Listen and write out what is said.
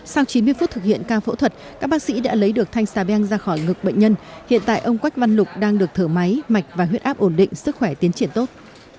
sau chín mươi phút thực hiện ca phẫu thuật các bác sĩ đã lấy được thanh xà beng ra khỏi ngực bệnh nhân hiện tại ông quách văn lục đang được thở máy mạch và huyết áp ổn định sức khỏe tiến triển tốt